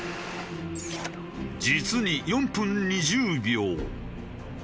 実に４分２０秒。